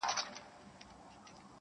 اوس په خپله د انصاف تله وركېږي -